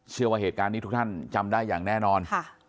เชื่อว่าเหตุการณ์นี้ทุกท่านจำได้อย่างแน่นอน